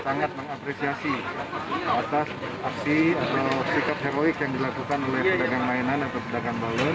sangat mengapresiasi atas aksi atau sikap heroik yang dilakukan oleh pedagang mainan atau pedagang bau